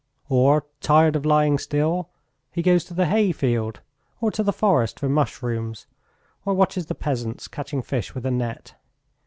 Or, tired of lying still, he goes to the hayfield, or to the forest for mushrooms, or watches the peasants catching fish with a net.